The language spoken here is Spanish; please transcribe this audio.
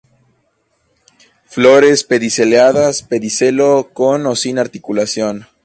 Flores pediceladas, pedicelo con o sin articulación.